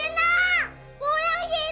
mengenai pake condominium